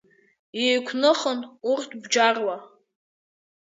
Еиқәныхын урҭ бџьарла.